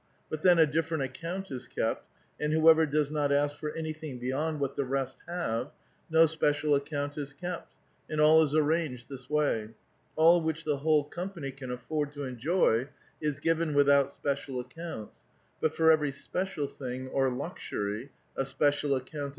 But then a differ ent account is kept, and whoever does not ask for anything beyond what the rest have, no special account is kept, and all is arranged this way: all which the whole company an afford to enjoy is given without special accounts, but or ever}' special thing or luxury a si)ecial account is kept."